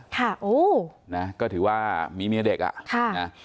โอ้นะก็ถือว่ามีเมียเด็กอ่ะค่ะนะ